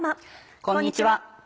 こんにちは。